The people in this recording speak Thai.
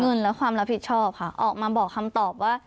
เงินและความรับผิดชอบค่ะออกมาบอกคำตอบว่า